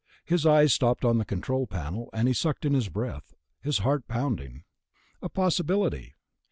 His eyes stopped on the control panel, and he sucked in his breath, his heart pounding. A possibility....